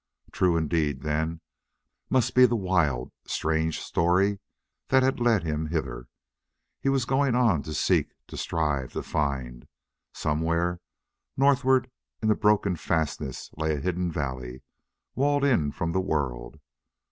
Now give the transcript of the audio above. True indeed, then, must be the wild, strange story that had led him hither. He was going on to seek, to strive, to find. Somewhere northward in the broken fastnesses lay hidden a valley walled in from the world.